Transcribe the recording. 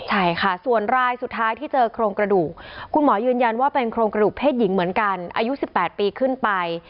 ใช่ค่ะส่วนรายสุดท้ายที่เจอโครงกระดูกคุณหมอยืนยันว่าเป็นโครงกระดูกเพศหญิงเหมือนกันอายุ๑๘ปีขึ้นไป